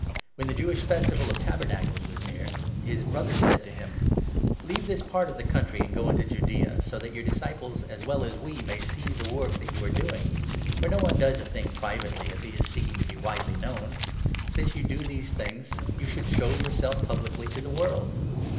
When the 2 Jewish Festival of Tabernacles was near, his brothers said to 3 him: "Leave this part of the country, and go into Judaea, so that your disciples, as well as we, may see the work that you are doing. For no one does a thing privately, if he is seeking 4 to be widely known. Since you do these things, you should show yourself publicly to the world."